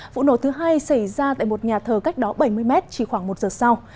vụ nổ thứ hai xảy ra tại một nhà thờ cách đó bảy mươi mét chỉ khoảng một giờ sau